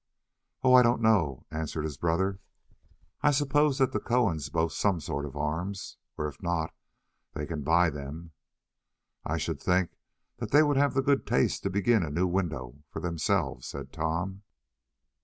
"Oh! I don't know," answered his brother; "I suppose that the Cohens boast some sort of arms, or if not they can buy them." "I should think that they would have the good taste to begin a new window for themselves," said Tom.